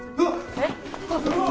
えっ？